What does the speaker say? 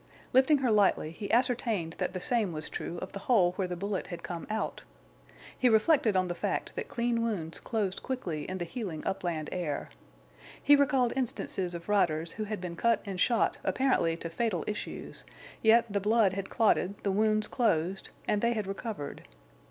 Lifting her lightly, he ascertained that the same was true of the hole where the bullet had come out. He reflected on the fact that clean wounds closed quickly in the healing upland air. He recalled instances of riders who had been cut and shot apparently to fatal issues; yet the blood had clotted, the wounds closed, and they had recovered.